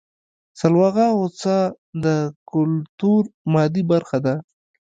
سلواغه او څا د کولتور مادي برخه ده